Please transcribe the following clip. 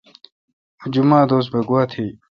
اوں جمعہ دوس بہ گوا تھی۔